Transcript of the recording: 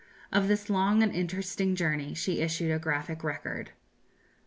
Of this long and interesting journey she issued a graphic record.